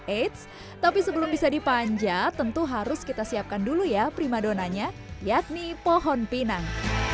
eits tapi sebelum bisa dipanjat tentu harus kita siapkan dulu ya prima donanya yakni pohon pinang